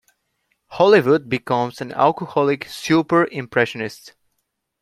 Hollywood becomes an alcoholic 'super-impressionist'.